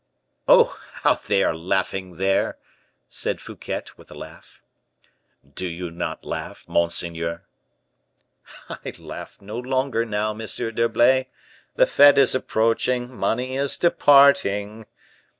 "Oh, how they are laughing there!" said Fouquet, with a sigh. "Do you not laugh, monseigneur?" "I laugh no longer now, M. d'Herblay. The fete is approaching; money is departing."